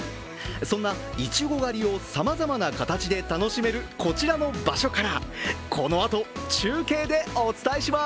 そんないちご狩りをさまざまな形で楽しめるこちらの場所からこのあと中継でお伝えします。